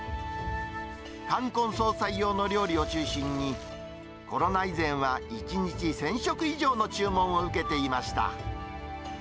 冠婚葬祭用の料理を中心に、コロナ以前は１日１０００食以上の注文を受けていました。